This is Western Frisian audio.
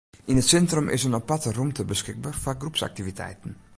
Yn it sintrum is in aparte rûmte beskikber foar groepsaktiviteiten.